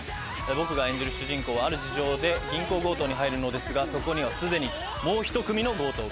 僕が演じる主人公はある事情で銀行強盗に入るのですがそこには既にもうひと組の強盗が。